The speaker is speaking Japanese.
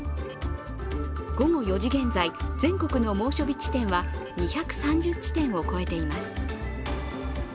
午後４時現在、全国の猛暑日地点は２３０地点を超えています。